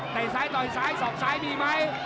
แต่ซ้ายต่อยซ้ายสอกซ้ายดีไหม